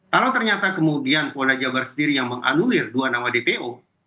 kalau ternyata kemudian polda jabar sendiri yang menganulir dua nama dpo